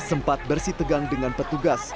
sempat bersitegang dengan petugas